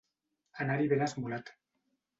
Anar-hi ben esmolat.